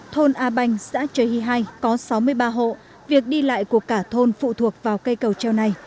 thôn a banh xã trời hy hai có sáu mươi ba hộ việc đi lại của cả thôn phụ thuộc vào cây cầu treo này